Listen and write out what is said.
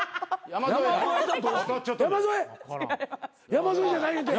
山添じゃないねんって。